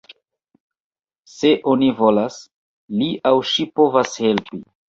Se oni volas, li aŭ ŝi povas helpi.